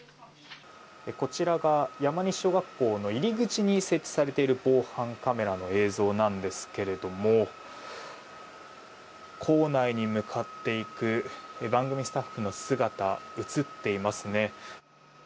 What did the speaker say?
こちらが、山西小学校の入り口に設置されている防犯カメラの映像なんですが校内に向かっていく番組スタッフの姿が映っていますね。